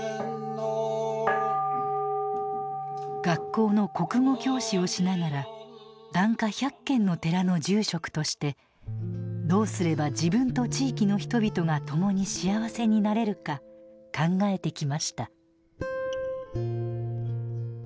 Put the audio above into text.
学校の国語教師をしながら檀家１００軒の寺の住職としてどうすれば自分と地域の人々が共に幸せになれるか考えてきました。